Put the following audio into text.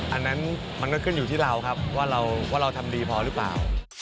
อันนั้นมันก็ขึ้นอยู่ที่เราครับว่าเราทำดีพอหรือเปล่า